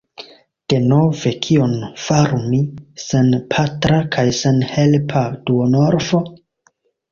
Denove kion faru mi, senpatra kaj senhelpa duonorfo?